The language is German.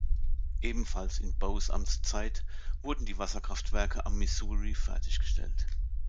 Ebenfalls in Boes Amtszeit wurden die Wasserkraftwerke am Missouri fertiggestellt.